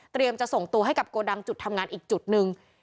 จะส่งตัวให้กับโกดังจุดทำงานอีกจุดหนึ่ง